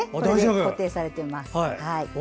固定されています。